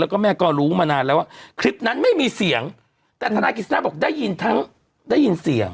แล้วก็แม่ก็รู้มานานแล้วว่าคลิปนั้นไม่มีเสียงแต่ธนายกิจสนาบอกได้ยินทั้งได้ยินเสียง